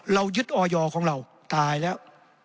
เรายึดออยของเราตายแล้ว